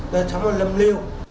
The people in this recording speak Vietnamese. rồi chẳng mà lâm liêu